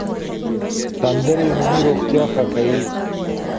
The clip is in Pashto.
سندرې عمومي روغتیا ښه کوي.